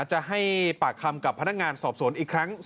จะให้ปากคำกับพนักงานสอบสวนอีกครั้ง